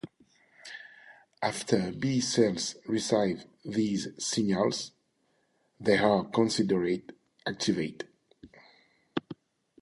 After B cells receive these signals, they are considered activated.